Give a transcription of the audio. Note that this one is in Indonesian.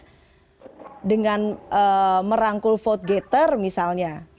sebenarnya dengan merangkul vote gator misalnya